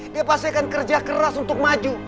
dia pasti akan kerja keras untuk maju